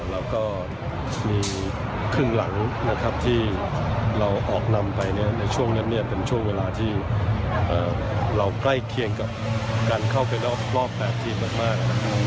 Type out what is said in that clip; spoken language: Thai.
แล้วก็มีครึ่งหลังที่เราออกนำไปในช่วงนั้นเป็นช่วงเวลาที่เราใกล้เคียงกับการเข้าไปรอบ๘ทีมมาก